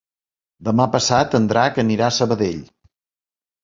Demà passat en Drac anirà a Sabadell.